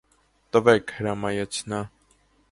- Տվե՛ք,- հրամայեց նա: